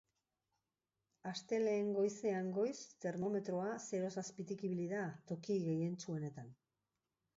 Astelehen goizean goiz termometroa zeroz azpitik ibili da toki gehientsuenetan.